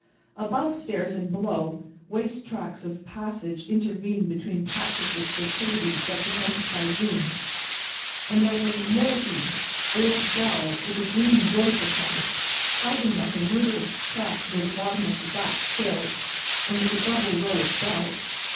Above stairs and below, waste tracts of passage intervened between patches of fertility represented by rooms; and there was a mouldy old well with a green growth upon it, hiding like a murderous trap, near the bottom of the back stairs, under the double row of bells.